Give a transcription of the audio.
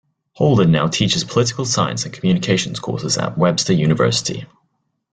Holden now teaches political science and communications courses at Webster University.